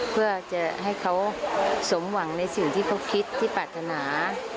เพื่อจะให้เขาสมหวังในสิ่งที่เขาคิดที่ปรารถนา